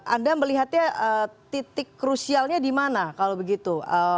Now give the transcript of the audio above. anda melihatnya titik krusialnya di mana kalau begitu